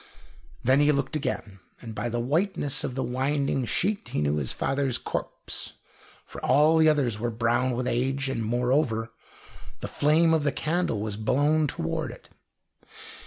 Then he looked again, and by the whiteness of the winding sheet he knew his father's corpse, for all the others were brown with age; and, moreover, the flame of the candle was blown toward it.